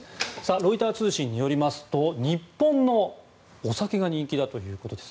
ロイター通信によりますと日本のお酒が人気だということです。